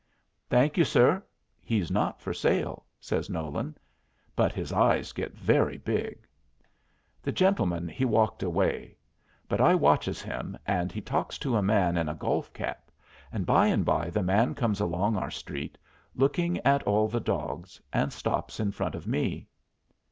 "Thank you, sir; he's not for sale," says Nolan, but his eyes get very big. The gentleman he walked away; but I watches him, and he talks to a man in a golf cap, and by and by the man comes along our street, looking at all the dogs, and stops in front of me.